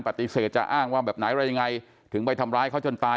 ปฏิเสธจะอ้างว่าแบบไหนอะไรยังไงถึงไปทำร้ายเขาจนตาย